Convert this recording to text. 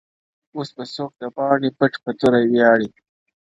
اوس به څوك د پاني پت په توره وياړي-